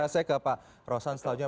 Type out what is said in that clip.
saya ke pak rosan selanjutnya